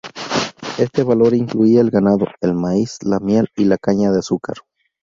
Este valor incluía el ganado, el maíz, la miel y la caña de azúcar.